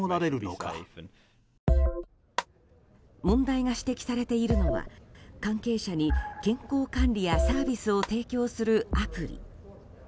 問題が指摘されているのは関係者に健康管理やサービスを提供するアプリ。